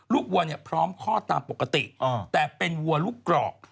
ลูกวัวพร้อมคลอดตามปกติแต่เป็นวัวลูกกรอก